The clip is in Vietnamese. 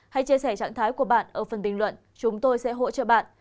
hãy chia sẻ trạng thái của bạn ở phần bình luận chúng tôi sẽ hỗ trợ bạn